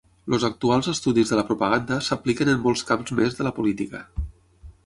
Els actuals estudis de la propaganda s'apliquen en molts camps més de la política.